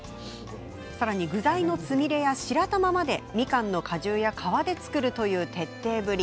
具材のつみれや白玉までみかんの果汁や皮で作るという徹底ぶり。